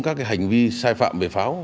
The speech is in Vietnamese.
các hành vi sai phạm về pháo